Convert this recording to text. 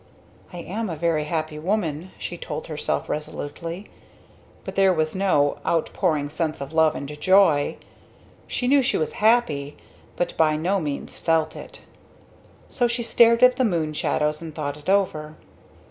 "I am a very happy woman," she told herself resolutely; but there was no outpouring sense of love and joy. She knew she was happy, but by no means felt it. So she stared at the moon shadows and thought it over.